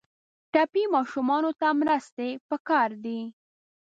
ټپي ماشومانو ته مرستې پکار دي.